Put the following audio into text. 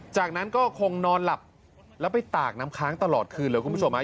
จากนั้นก็คงนอนหลับแล้วไปตากน้ำค้างตลอดคืนเลยคุณผู้ชมฮะ